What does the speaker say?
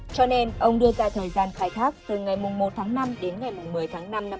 cho nên ông đưa ra thời gian khai thác từ ngày một tháng năm đến ngày một mươi tháng năm năm hai nghìn hai mươi